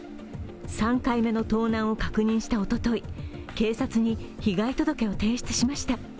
３回目の盗難を確認したおととい、警察に被害届を提出しました。